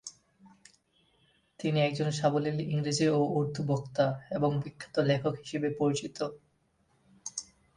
তিনি একজন সাবলীল ইংরেজি ও উর্দু বক্তা এবং বিখ্যাত লেখক হিসাবে পরিচিত।